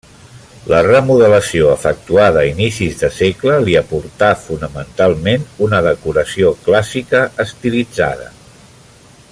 La remodelació efectuada a inicis de segle li aportà fonamentalment una decoració clàssica estilitzada.